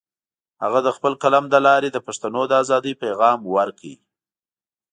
هغه د خپل قلم له لارې د پښتنو د ازادۍ پیغام ورکړ.